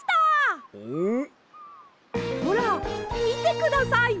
ほらみてください！